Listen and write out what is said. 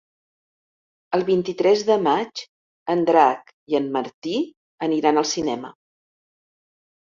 El vint-i-tres de maig en Drac i en Martí aniran al cinema.